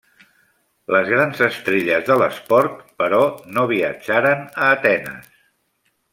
Les grans estrelles de l'esport, però, no viatjaren a Atenes.